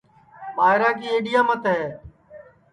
ٻائیرا کی ایڈِؔیا مت ہے